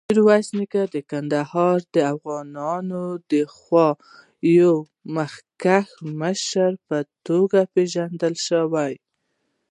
میرویس نیکه د کندهار دافغانانودخوا د یوه مخکښ مشر په توګه وپېژندل شو.